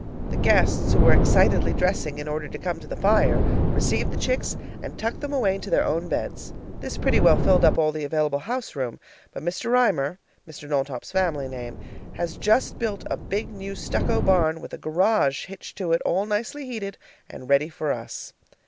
The guests, who were excitedly dressing in order to come to the fire, received the chicks and tucked them away into their own beds. This pretty well filled up all the available house room, but Mr. Reimer (Mr. Knowltop's family name) has just built a big new stucco barn, with a garage hitched to it, all nicely heated, and ready for us.